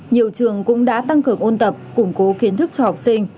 nhiều trường cũng đã tăng cường ôn tập củng cố kiến thức cho học sinh